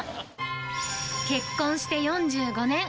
結婚して４５年。